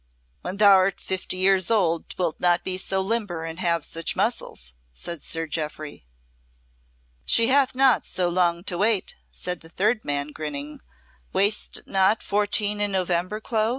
"When thou'rt fifty years old, wilt not be so limber and have such muscles," said Sir Jeoffry. "She hath not so long to wait," said the third man, grinning. "Wast not fourteen in November, Clo?